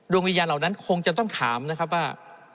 วิญญาณเหล่านั้นคงจะต้องถามนะครับว่า